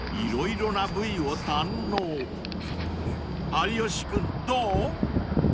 ［有吉君どう？］